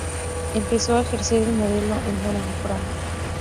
Empezó a ejercer de modelo en Orán.